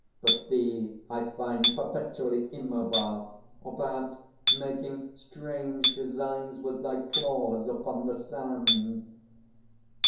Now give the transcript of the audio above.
But thee I find perpetually immobile, or perhaps making strange designs with thy claws upon the sand."